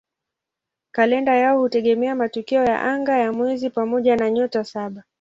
Kalenda yao hutegemea matukio ya anga ya mwezi pamoja na "Nyota Saba".